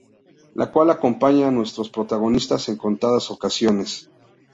La cual acompaña a nuestros protagonistas en contadas ocasiones.